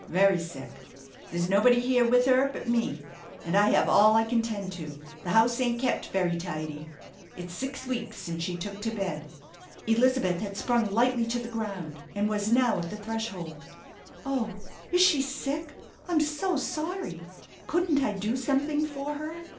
Very sick. There's nobody here with her but me, and I have all I can tend to. The house ain't kept very tidy. It's six weeks since she took to bed." Elizabeth had sprung lightly to the ground and was now at the threshold: "Oh, is she sick? I'm so sorry? Couldn't I do something for her?